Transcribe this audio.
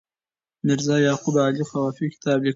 میرزا یعقوب علي خوافي کتاب لیکي.